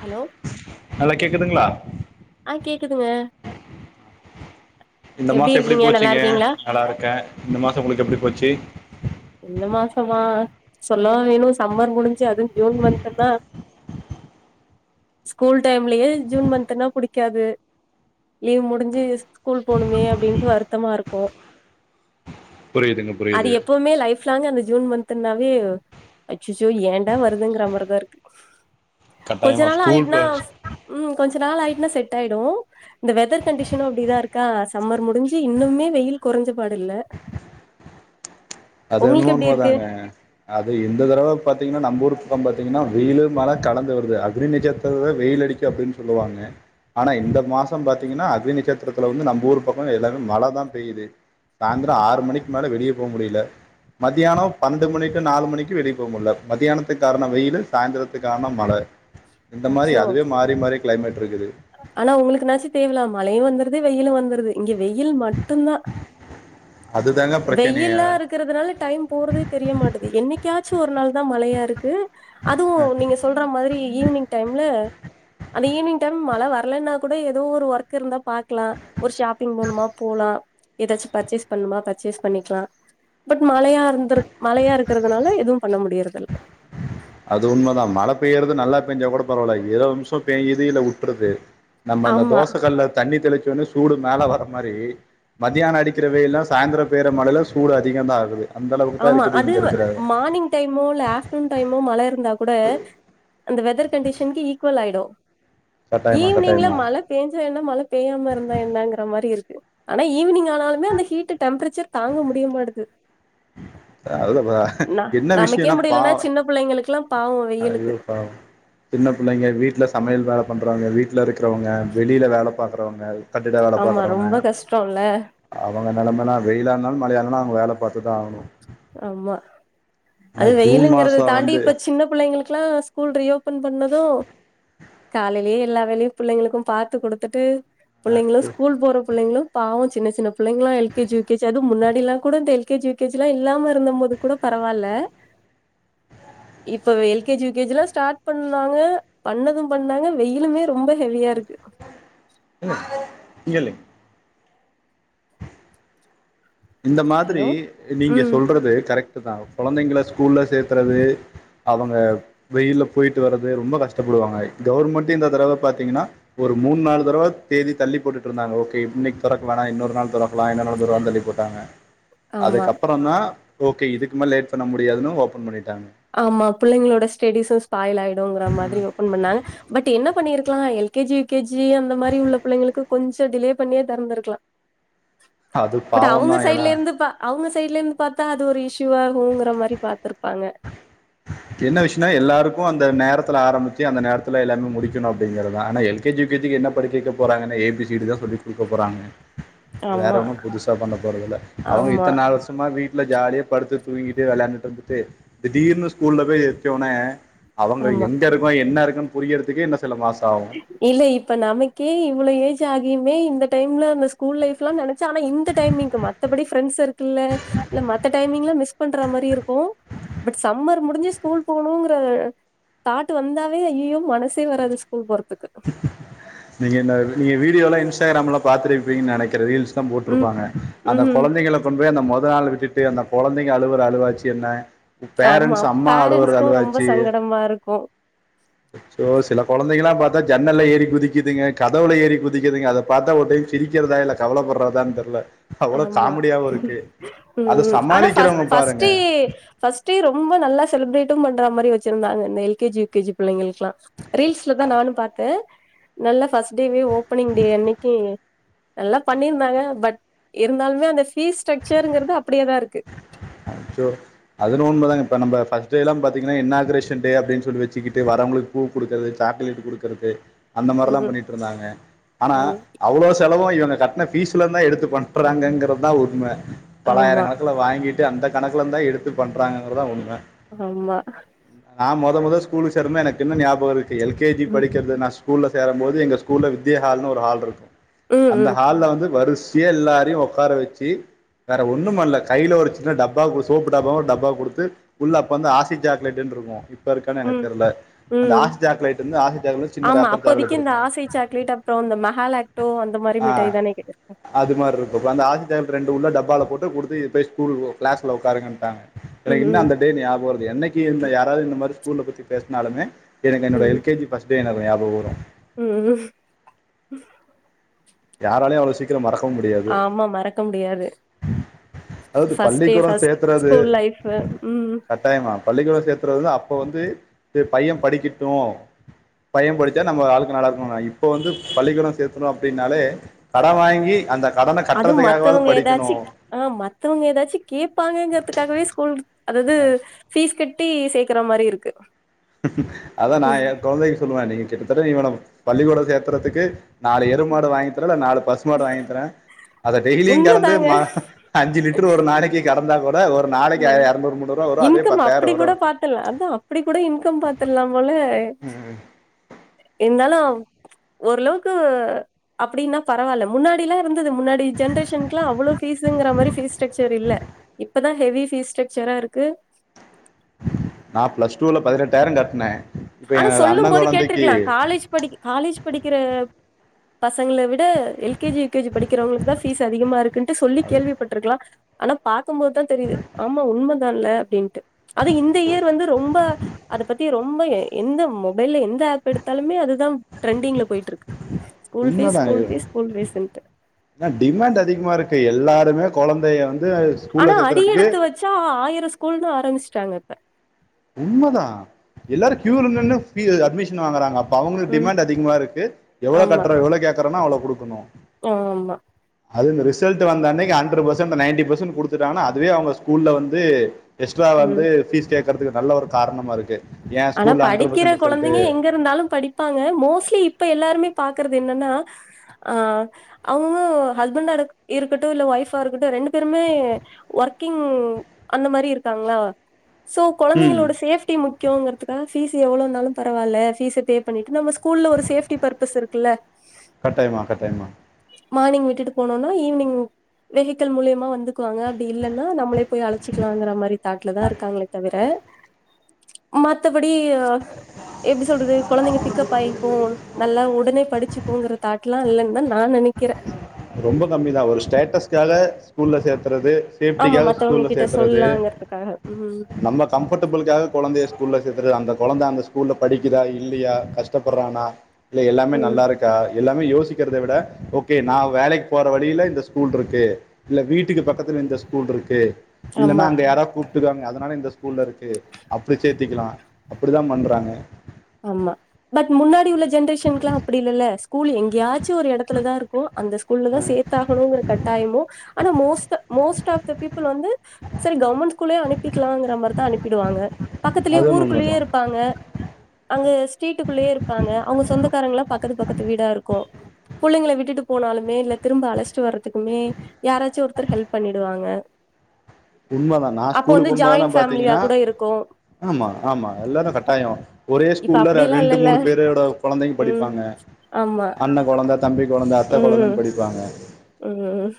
Hello hello கேக்குதுங்களா? ஆ கேக்குதுங்க. இந்த மாசோ எப்டி இருக்கீங்க நல்லா போச்சுங்க? இருக்கீங்களா நல்லா இருக்கே இந்த மாசோ உங்களுக்கு எப்டி போச்சு? இந்த மாசமா சொல்லவா வேணு? சம்மர் முடிஞ்சு அதுவு ஜூன் மந்த்துன்னா ஸ்கூல் டைம்லயே ஜூன் மந்த்துன்னா புடிக்காது. லீவ் முடிஞ்சு ஸ்கூல் போணுமே அப்டின்ட்டு வருத்தமா இருக்கு புரியுதுங்க புரியுது. பயு லைஃப் லாங்கு அந்த ஜூன் மந்த்துன்னாவே அச்சச்சோ ஏண்டா வருதுங்கிற மாரிதா இருக்கு கொஞ்ச கட்டாயமா நாள் ஸ்கூல் ஆயிட்னா ப ம் கொஞ் ச நாள் ஆயிட்னா செட் ஆயிடு இந்த வெதர் கண்டிஷனு அப்டிதா இருக்கா சம்மர் முடிஞ்சு இன்னுமே வெயில் கொறைஞ்ச பாடு இல்ல. அது என்னமோ உங்களுக்கு எப்டி இருக்கு உண்மதாங்க. அது இந்த தடவ பாத்தீங்கன்னா நம்ப ஊரு பக்கம் பாத்தீங்கன்னா வெயிலு மழ கலந்து வருது. அக்னி்நச்சத்திரலதா வெயில் அடிக்கு அப்டின்னு சொல்லுவாங்க ஆனா இந்த மாசோ பாத்தீங்கன்னா அக்னி நட்சத்திரத்தில வந்து நம்ப ஊர் பக்கோ எல்லாமே மழதா பெய்யுது சாயந்தரோ ஆறு மணிக்கு மேல வெளிய போக முடியல மத்தியானோ பன்னெண்டு மணி டு நாலு மணிக்கு வெளிய போக முடில மத்தியானத்துக் காரணோ வெயிலு சாய்ந்திரத்துக்கு காரணோ மழ இந்த மாரி அச்சோ அதுவே மாறி மாறி கிளைமேட் இருக்குது. ஆனா உங்களுக்குனாச்சு தேவல மழையு வந்துருது வெயிலு வந்துருது இங்க வெயில் மட்டுந்தா அதுதாங்க வெயில்லா பிரச்சனையே இருக்கிறதுனால டைம் போறதே தெரிய மாட்டது என்னைக்காச்சு ஒரு நாள்தா மழையா இரு க்கு அதுவு நீங்க சொல்ற மாரி ஈவினிங் டைம்ல அந்த ஈவினிங் டைம் மழ வரலைன்னா கூட ஏதோ ஒரு ஒர்க் இருந்தா பாக்கலா ஒரு ஷாப்பிங் போணுமா போலா ஏதாச்சு பர்ச்சேஸ் பண்ணுமா பர்ச்சேஸ் பண்ணிக்லா பட் மழையா இருந்துரு மழையா இருக்கிறதுனால எதுவு பண்ண முடியறதில்ல. அது உண்மதா மழ பெய்யறது நல்லா பேஞ்சா கூட பரவால்ல ஏதோ ஒரு நிமிஷோ பேயுது இல்ல உட்றுது நம்ம அந்த ஆமா தோச கல்லுல தண்ணி தெளி ச்சவுடனே சூடு மேல வர மாரி மத்தியானோ அடிக்கிற வெயில்லா சாயந்தரோ பேயற மழல சூடு அதிகந்தா ஆகுது அந்த அளவுக்கு தான் ஆமா இருக்குது அது இங்க இருக்கிற மார்னிங் டைமோ இல்ல ஆஃப்டர்நூன் டைமோ மழ இருந்தா கூட அந்த வெதர் கண்டிஷனுக்கு ஈக்வல் ஆயிடு கட்டாயமா ஈவி்னிங்ல கட்டாயமா மழ பேஞ்சா என்ன மழ பெய்யாம இருந்தா என்னங்கிற மாரி இரு க்கு ஆனா ஈவினிங் ஆனாலுமே அந்த ஹீட்டு் டெம்ப்ரேச்சர் தாங்க முடியமாட்டுது அ அதுதா இப்ப என்ன நமக்கே விஷயோன்னா பா முடியலன்னா சின்ன பிள்ளைங்களுக்குல்லா பாவோ வெயிலுக்கு ஐயோ பாவோ சின்ன பிள்ளைங்க வீட்ல சமையல் வேல பண் றவங்க வீட்ல இருக்கறவங்க வெளில வேல பாக்கறவங்க ஆமா ரொம்போ கஷ்டோ இல்ல அவங்க நெலமலா வெயிலா இருந்தாலு மழையா இருந்தாலு அவங்க வேல பாத்துதா ஆகணு. ஆமா அது ஜூன் வெயிலுங்கத மாசம் தாண்டி வந்து இப்ப சின்ன பிள்ளங்களுக்கு க்லா ஸ்கூல் ரீஓபன் பண்ணது காலையிலயே எல்லா வேலையு புள்ளங்களுக்கு பாத்து குடுத்துட்டு புள்ளங்களு ஸ்கூல் போற புள்ளங்களு பாவம் சின்ன சின்ன புள்ளங்களாம் எல் கே ஜி யூகே ஜிஅது முன்னாடிலா கூட இந்த L K G U K G லாம் இ இல்லாம இருந்த போது கூட பரவாலல் இப்ப L K G U K ஜிலாம் ஸ்டார்ட் பண்ணாங்க பண்ணது பண்ணாங்க வெயிலுமே ரொம்ப ஹெவியா இருக்கு இங்கள்ளிங் இந்த மாதிரி ஹலோ நீங்க ம் சொல்றது கரெக்ட் தாங்க கொழந்தைங்க ஸ்கூல்ல சேத்துறதுஅவங்க வெயில போயிட்டு வர்ரது ரொம்ப கஷ்டப்படுவாங்க கவுர்மெண்டே இந்த தடவ பாத்திங்கன்ன ஒரு மூனு நாள் தடவ தேதி தள்ளி போட்டுட்டுருந்தாங்க ஓகே இன்னைக்கு இக்கவேணா இன்னொரு நாள் தொறக் வைனலா ஒரு ஒரு வாரந்த் தள்ளி ந்தாங்க ஆமா அதுக்கப்றந்தா ஓகே இதுக்மேல லேட் பண்ண முடியாதுன்னனு ஓபன் பண்ணிட்டாங்க ஆமா பிள்ளைங்களோட ஸ்டேடிஸும் ஸ்பாயில் ஆயிடும்ங்கற மாதிரி ஓபன் பண்ணாங்க பட் என்ன பண்ணிருக்கலா L K G U K G அந்த மாரி உள்ள பிள்ளைங்களுக்கு கொஞ்ச டிலே பண்ணியே தெறந்திருக்கலா அது பட் பாவம் அவுங்க தா ஏன்னா சைட்ல இருந்து பா அவுங்க சைட்ல இருந்து பாத்தா அது ஒரு இஷ்யுவாகுங்கிற மாரி பாத்துருப்பாங்க என்ன விஷயன்னா எல்லாருக்கு அந்த நேரத்துல ஆரம்பிச்சுஅந்த நேரத்துல எல்லாமே முடிக்கணு அப்டிங்கறதா ஆனா L K G U K ஜிக்கு என்ன படிக்க போறாங்கன்னா ஏ பி சி டி தா சொல்லி் குடுக்க போறாங்க வேற ஆமா ஒன்னு புதுசா பண்ண போறதுல்ல அவங்க ஆமா இத்தனால் வருஷமா வீட் ஜாலியா படுத்து தூங்கிட்டு வெளையாண்டுட்டுருந்துட்டு திடீர்னு ஸ்கூல்ல போய் இருச்சவுனே அவங்க ஆமா எங்க இருக்கொ என்ன இருக்கொன் புரியிறதுக்கே இந்த இல்ல இப்ப நமக்கே இவ்ளோயேஜ் ச்சாகியுமே இந்த டைம்ல அந்த ஸ்கூல் லைஃப் லா நெனச்சா ஆனா இந்த டைமிங்கு மத்தபடி ஃப்ரண்ஸ் சர்க்கிள்ள மத்த டைமிங்ல மிஸ் பண்ற மாரி இருக்கு பட் சம்மர் முடிஞ்சு ஸ்கூல் போகணுங்ற தாட் வந்தாவே ஐய்யோ மனசே வராது ஸ்கூல் போற நீங்க என்ன நீங்க விடிய வீடியோலாம் இன்ச் இஸ்டாகிராம்ல பாத்துருப்பீங்கன்னு நினக்கிற ரீல்ஸ் தா ம் போட்டிருப்பாங்க அந்த ம் கொழந்தக கொண்டு போய் அந்த மொ த நாள் விட்டுட்டு அந்த கொழந்தங்க அலுவுற அழுவாச்சு என்ன ஆம்மா பேரண்ட்ஸ் அம்மா அழுவுற பேரண்ட்ஸ்கு ரொம்ப அழுவாச்சு சங்கடமா இருக்கு சோ சில கொழந்தங்கல்லா பாத்தா ஜன்னல்ல ஏறி குதிக்குதுங்க கதவுள ஏறி குதிக்குதுங்க அத பாத்தா டைம் சிரிக்கறதா இல்ல கவலப்படுறதான்னு தெரியல ஆமா அதை ம் ஆனா ஃபஸ் சமாளிக்கிறவங்க பாருங்க ஃபர்ஸ்டே ஃபர்ஸ்டே ரொம்ப நல்லா செலிப்ரேட் ம பண்ற மாரி வச்சிருந்தாங்க இந்த எல்கேஜி யூ கே ஜி பிள்ளங்களுக்கேல்லா ரீல்ஸ்ல தா நானு பாத்த நல்ல ஃப்ஸ்ட் டேவே ஓபனிங் டே அன்னக்கி நல்லா பண்ணிருந்தாங்க பட் இருந்தாலுமே அந்த ஃபீஸ் ஸ்ட்ரக்சர்ங்கிறது அச்சோ அதுனு உண்மதா இப்ப நம்ம ஃபஸ்ட் டேலா பாத்தீங்கன்னா இன்னாகரேஷன் டே அப்டினு சொல்லி வச்சுகிட்டு வரவங்களுக்கு பூ கொடுக்குறது சாக்லேட் குடுக்றது அந்த மாரிலா ம் பண்ணிட்டு இருந்தாங்க ஆனா ம் அவ்ளோ செலவு இவ் இவங்க கட்ன பீஸ்ல தா எடுத்து பண்றாங்ககிறதா உண்ம பலாயிரம் ஆமா கணக்குல வாங்கிட்டு அந்தகணக்குலந்து தா எடுத்து பண்ணுறாங்கிறதா உண்ம ஆமா நா மொத மொத ஸ்கூல் சேரும்போது எனக்கு இன்னு ஞாபகோ இருக்கு கு எல் கே ஜி ம் படிக்கிறது நா ஸ்கூல்ல சேரும்போது எங்க ஸ்கூல்ல வித்யஹால்னு ஒரு ஹால் இருக்கு ம் அந்த ம் ஹால்ல வந்து வரிச சியா எல்லாரையு உக்கார வச்சி வேற ஒண்ணு பண்ணல கைல ஒரு சின்ன டப்பா குடுத் சோப்பு டப்பா குடுத்து ஃபுல்லா அப்ப வந்து ஆசை சாக்லேட்னு இருக்கு இப்ப இருக்கானு எனக்கு ம் தெர்ல அந்த ம் ஆச சாக்லேட் வந்து அந்த ஆச சாக்லேட்ந்து சின்ன ஆமா ராப்பர் அப்போதைக்கு சாக்லேட் இந்த இருக்கும் ஆசை சாக்லேட் அப்றோ இந்த மெஹாலாக்டோ அந்த மாரி அ மிட்டாய் தானே இருக்கு அது மாரி இருக்கு அந்த ஆச சாக்லேட் ரெண்டு உள்ள டப்பால போட்டோ கொடுத்தீர் போய் ஸ்கூல் கிளாஸ்ல உக்காருங்கன்னுட்டாங்க ம் எனக்கு இன்னு ம் அந்த டே ஞாபகோ வருது என்னைக்கு என்ன யாராவது இந்மாரி ஸ்கூல்ல பத்தி பேசுனாலுமே எனக்கு என்னுடைய ம் L K G first day ஞ ஞாபம் வரு ம் யாராலயும் அவ்ளோ சீக்கிரோ மறக்க மறக்கவு முடியாது ஆமா மறக்க முடியாது அதாவது ஃபஸ்ட் டே பள்ளிக்கூடம் ஃபஸ்ட் சேர்த்துறது ஸ்கூல் லைஃபு ம் கட்டாயமா பள்ளிக்கூடம் சேர்த்துறது அப்ப இப்ப வந்து பைய படிக்கட்டு பைய படிச்சா நம்ம வாழ்க்க நல்லா இருக்குணாங்க இப்ப வந்து பள்ளிக்கூடம் சேர்த்துணு அப்டின் னாலே கட வாங்கி கடனை அதுவு கட்டுறதுக்காகவாவது மத்தவங்க எதாச்சி படிக்கணும் ஆ மத்தவங்க எதாச்சி கேட்பாங்கங்கின்றதுகாகவே ஸ்கூல் அதாது ஃபீஸ் கட் ட்டி சேக்கற மாரி இருக்கு அதா நா எ குழந்தைக்கு சொல்லுவே நீங் கிட்டத்தட் இவன பள்ளிக்கூடோ சேரத்துறதுக்கு நாலு எரும மாடு வாங்கி தருவல நாலு பசுமாடு வாங்கி தரே அத டெய்லியு கரந்து உண்மதாங்க அஞ்சு லிட்டர் ஒரு நாளக்கி கரந்தா கூட ப ஒரு நாளக்கு ம் இரநூறு மூணு ரூவா வரு அதே இன்கம் பத்தாயிரோ அப்டி வரு கூட பாத்துர்லா அதா அப்டி கூட இன்கம் பாத்துலா போல இருந்தாலு ஓரளவுக்கு அப்படின்னா பரவால்ல முன்னாடிலா இருந்துது முன்னாடி ஜென்ரேஷ்ன்க்லா அவ்ளோ ஃபீசுங்ற மாரி ஃபீஸ் ஸ்டரக்சர் இல்ல. இப்பதான், ஹெவி பீஸ்ட்சக்சரா இருக்கு. நான் பிளஸ் டூல பதினெட்டாயிரம் கட்னே. இப்ப எ ஆனா, அண்ண சொல்லும் போது கொழந்தைக்கு கேட்ருக்கலா. காலேஜ் படிக் காலேஜ் படிக்ற. பசங்கள விட, எல்கேஜி, யுகேஜி படிக்கிறவுங்களுக்கு தா பீஸ் அதிகமா இருக்குன்டு சொல்லி கேள்விபட்ருக்லாம். ஆனா, பாத் போது தான் தெரிது. ஆமா உண்ம. [unintelligible] தான் அப்டின். அது இந்த இயர் வந்து, ரொம்ப அத யே பத்தி ரொம்ப. எந்த மொபைல எந்த. எந்த ஆப் எடுத்தாலுமே அதுதா ட்ரெண்டிங்ல போயிட்டு இருக்கு. ஸ்கூல்பீஸ் உண்மதா இது ஸ்கூல்பீஸ் ஸ்கூல் பீஸ் ன்டு. ஏனா டிமாண்ட் அதிகமா இருக்கு எல்லாருமே கொழந்தைய வந். ஆனா, அடி எடுத்து வச்சா ஆயிர ஸ்கூல்ன்னு ஆரம்பிச்ட்டாங்க. உண்மதா. எல்லாரு கியூ ல நின்னு. அப்பி அட்மிஷன் வாங்குறாங்க. அவங்களுகு ம் டிமாண்ட் அதிகமா இருக்கு. எவ்ளோ கட்டுற எவ்ளோ கேட். கேக்றனா அவ்ளோ குடுக்கணு. ஆம்மா. அது இந்த, ரிசல்ட் வந்த அன்னைக்கி, ஹண்ட்ரு பர்சண்டு, நைன்ட்டி பர்சண்டு குடுத்துடாங்கனா, அதுவே அவுங்க ஸ்கூல்ல வந்து எஸ்ட்ரா வந்து ம் பீஸ் கேக். இருக்றதுக்கு நல்ல ஒரு காரணமா இருக்கு. ஏன் ஆனா, ஸ்கூல்ல ஹண்ட்ரட் படிக்கிற பர்சன்ட் ரிசல்ட் குழந்தைங்க எங்க இருந்தாலும் படிப்பாங்க. மோஸ்லி இப்ப எல்லாருமே, பாக்குறது என்னன்னா, ஆஹ் அவுங்க ஹஸ்பண்ட இரு இருக்கட்டு, இல்ல ஒய்ஃபா இருக்கட்டு ரெண்டு பேருமே ஒர்க்கிங் அந்த மாரி இருக்காங்களா. சோ, ம் குழந்தைங்களோட சேஃப்டி முக். கங்க [unintelligible] இப்ப பீஸ் எவ்ளோனாலும் பரவால்ல. பீஸ் பே பண்ணிட்டு நம்ம ஸ்கூல்ல ஒரு சேஃப்டி பர்பஸ் இருக்குல்ல. கட்டாயமா, கட்டாயமா. மார்னிங் விட்டுட்டு போனோன்னா, ஈவினிங் வெஹிள் மூலியமா வந்து. இருக்குவாங்க, அப்டி இல்லன்னா, நம்மளே போய் அழச்சிக்லாங்கிற மாரி தாட்டுல தான் இருக்காங்களே தவிர, மத். மத்தபடி யு எப்படி சொல்றது குழந்தைங்க பிக்கப் ஆகிக்கும். நல்லா உடனே படிச்சு. தூங்குற தாட்ல இலன்னு தான் நான் நெனைக்கிறே. ரொம்ப கம்மி தான் ஒரு ஸ்டேட்ஸ்காக ஸ்கூல்ல சேத்றது. ஆமா சேஃப்டிக்காக மத்தவங்க ஸ்கூல்ல கிட்ட சேத்றது. சொல்லாங்கறதுக்காக ம் நம்ம கம்ஃபர்ட்டபுளுகாக குழந்தைய ஸ்கூல்ல. அந்த குழந்தை, அந்த ஸ்கூல்ல படிக்குதா இல்லையா கஷ்டப்படுறானா. இல்ல, எல்லாமே ம் நல்லா இருக்கா எல்லாமே யோஸ். இருக்கிறத விட ஓகே நான் வேலைக்கு போற வழியில இந்த ஸ்கூல் இருக்கு இல்ல வீட்டுக்கு பக்கத்துல இந்த ஸ்கூல் இருக்கு இல்லன்னா ஆமா அங்க யாராவது கூப்பிட்டு அதனால இந்த ஸ்கூல்ல இருக்கு அப்படி சேர்த்திக்கலாம் அப்படிதான் பண்றாங்க ஆமா பட் முன்னாடி உள்ள ஜென்ரெசன்கலாம் அப்படி இல்ல ஸ்கூல் எங்கேயாச்சும் ஒரு இடத்துல தான் இருக்கும் அந்த ஸ்கூல்ல ஆ, தான் சேர்த்தாகணுங்கிற கட்டாயமும் ஆனா most most of the people வந்து செரி கவர்மெண்ட் ஸ்கூலே அனுப்பிக்கலங்கிற மாரிதான் அனுப்பிடுவாங்க பக்கத்துலயே அதுவும் ஊருக்குள்ளயே உண்மைதான் இருப்பாங்க அங்க ஸ்ட்ரீட்டுக்குள்ளயே இருப்பாங்க அவங்க சொந்தக்காரங்களல்லாம் பக்கத்து பக்கத்து வீடா இருக்கும் புள்ளைங்கள விட்டுட்டு போனாலுமே இல்ல திரும்ப அழைச்சிட்டு வர்றதுக்குமே யாராச்சும் ஒருத்தர் ஹெல்ப் பண்ணிடுவாங்க உண்மை தான் நான் அப்ப ஸ்கூலுக்கு வந்து ஜாயிண்ட் போகும்ல்லாம் ஃபேமிலியா பாத்தீங்கன்னா கூட இருக்கு ஆமா ஆமா எல்லாரும் கட்டாயம் ஒரே இப்ப ஸ்கூல்ல அப்டியெல்லா ரெண்டு இல்லல்ல மூணு பேரோட குழந்தைங்க ம் படிப்பாங்க ஆமா அண்ண கொழந்த தம்பி குழந்தை அத்தை குழந்தைன்னு படிப்பாங்க உம்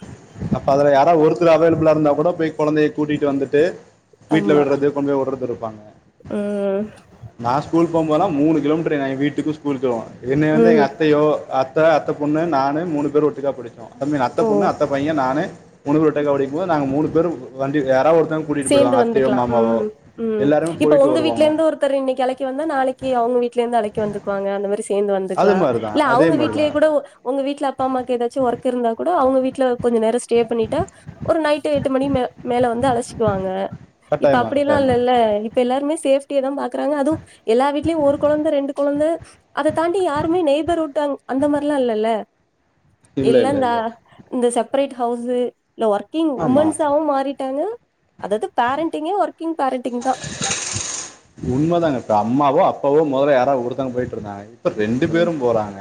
அப்ப அதுல யாராது ஒரு அவைளப்பில்லா இருந்தா கூட கொழந்தைய கூட்டிட்டு வந்துட்டு வீட்ல ஆமா விடுறது கொண்டு போய் விடுறது இருப்பாங்க ம் நான் ஸ்கூல் போகும்போதுலாம் மூணு கிலோமீட்டரு என் வீட்டுக்கு ஸ்கூலுக்கும் என்ன வந்து எங்க ம் அத்தையோ அ அ அத்த பொண்ணு நானு மூணு பேர் ஒட்டுக்கா படிச்சோம் அ அத்த ஓ பொண்ணு அத்தை பையன் நானு மூணு பேரும் ஓட்டுகா படிக்கும்போது நாங்கள் மூணு பேரும் வண்டி யாரது ஒருத் சேர்ந்து வந்துக்கலாம் உம் உம் எல்லாருமே இப்ப போயிட்டு உங்க வீட்ல வருவாங்க இருந்து ஒருத்தர் இன்னைக்கு அழைக்க வந்தா நாளைக்கு அவங்க வீட்டுல இருந்து அழைக்க வந்துக்குவாங்க அந்த மாதிரி சேர்ந்து அது வந்துக்கலாம் மாதிரி தான் இல்ல அதே அவங்க மாதிரி வீட்லேயே தான் கூட உங்க வீட்டுல அ அப்ப அம்மாக்கு ஏதாச்சும் ஒர்க் இருந்தா கூட அவங்க வீட்டுல கொஞ்சம் நேர ஸ்டே பண்ணிட்டு ஒரு நைட்டு எட்டு மணி மேல வந்து அழைச்சி க்குவாங்க இப்ப கட்டாயமா அப்படில்லாம் கட்டாயமா இல்லல்ல இப்ப எல்லாருமே சேஃப சேப்டி தான் பாக்குறாங்க அதுவும் எல்லா வீட்லயும் ஒரு கொழந்த ரெண்டு கொழந்த அதைாண்டி யாருமே நெய்பர்வுட் அந்த மாரில்லாம் இல்லல்ல இல்லை இல்லை இல்லந்தா இல்லை இந்தந்த ச சப்பரட் ஹவுஸ்சு இல்ல ஒர்க்கிங் ஆமாம் உமன்ஸாவும் மாறிட்டாங்க அதாவது பேரண்டிங்கே ஒர்க்கிங் பேரண்டிங் தான் உண்மைதாங்க அம்மாவோ இப்போ முதல்ல யாராவ ஒருத்தங்க போயிட்டு இருந்தாங்க ரெண்டு பேரும் போறாங்க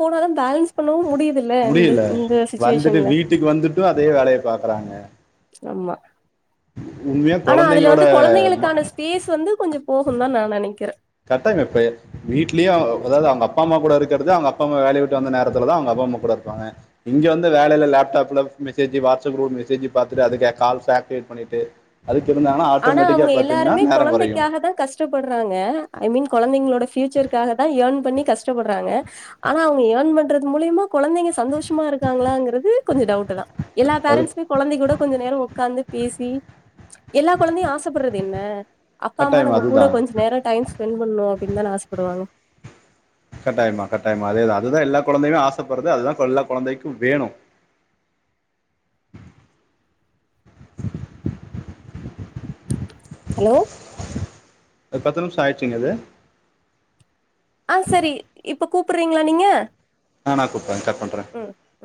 போனதும் பேலன்ஸ் பண்ணவு முடியுதுல்ல இந்த முடியல இந்த வந்துட்டு சுச்சுவேஷன்ல வீட்டுக்கு வந்துட்டும் அதே வேலையை பாக்குறாங்க ஆமா உண்மையா ஆனா அதுல கொழந்தைங்களோட வந்து ம கொழந்தைகளுக்கான ஸ்பேஸ் வந்து கொஞ்சம் போகும் தான் நான் நினைக்கிறேன் கட்டாயமாப்ப வீட்லய அதாவது அவங்க அப்பா அம்மா கூட இருக்கறது அவங்க அப்பாம்மா வேலைைய விட்டுந்த நேரத்துதான் அவங்க அப்பா அம்மா கூட இருப்பாங்க இங்க வந்து வேலயில லேப்டாப்ல மெசேஜ் வாட்ஸ்அப் குரூப் மெசேஜ் பார்த்தட்டு அதுக்க கால்ஸ் ஆக்டிவேட் பண்ணிட்டு அதுக்கு இருந்தாங்கன்னா ஆனா ஆட்டோமேட்டிக்கா அவங்க பாத்தீங்கன்னா எல்லாருமே நேரோ கொறையு குழந்தைக்காக தான் கஷ்டப்படுறாங்க ஐ மீன் குழந்தைங்களோட பியூச்சர்கக்காக தான் ஏர்ன் பண்ணி கஷ்டப்படுறாங்க ஆனா அவங்க ஏர்ன் பண்றது மூலியமா குழந்தைங்க சந்தோஷமா இருக்காங்களாங்கிறது கொஞ்சம் டவுட் தான் எல்லா அது பேரன்ஸுமே குழந்தை கூட கொஞ்ச நேரம் உட்காந்து பேசி எல்லா குழந்தையும் ஆசைப்படுறது என்ன அப்பா அம்மா கட்டாயமா நம்ம கூட அதுதான் கொஞ்ச நேரம் ஸ்பெண்ட் பண்ணும் அப்டின்னு தான் ஆசப்படுவோம் ஆ கட்டாயமா கட்டாயமா அதோன் அதுதான் எல்லா கொழந்தையுமே ஆசைப்படுறது அதுதான் எல்லா கொழந்தைக்கும் வேணும் ஹலோ பத்து நிமிஷம் ஆயிடுச்சிங்க இது ஆஹ் சரி இப்ப கூப்பிறீங்களா நீங்க ஆஹ் நான் கூப்பரேன் கட் பண்றேன் ம்